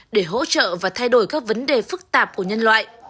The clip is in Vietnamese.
để hỗ trợ và thay đổi các vấn đề phức tạp của nhân loại